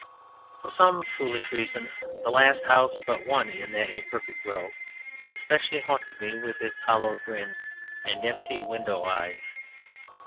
For some foolish reason the last house but one in that imperfect row especially haunted me with its hollow grin and empty window eyes.